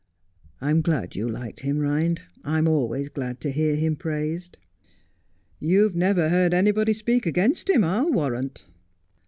' I'm glad you liked him, Rhind ; I'm always glad to hear him praised.' ' You've never heard anybody speak against him, I'll warrant.'